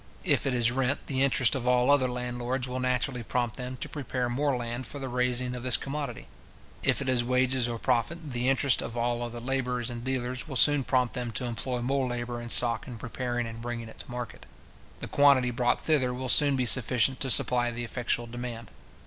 If it is rent, the interest of all other landlords will naturally prompt them to prepare more land for the raising of this commodity; if it is wages or profit, the interest of all other labourers and dealers will soon prompt them to employ more labour and stock in preparing and bringing it to market. The quantity brought thither will soon be sufficient to supply the effectual demand.